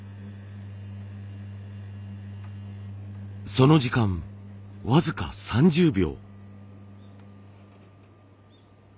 その時間僅か３０秒。